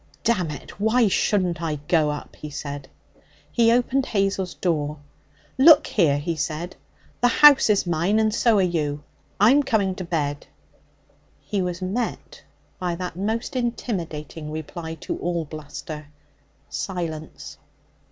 'Damn it! Why shouldn't I go up?' he said. He opened Hazel's door. 'Look here,' he said; 'the house is mine, and so are you. I'm coming to bed.' He was met by that most intimidating reply to all bluster silence.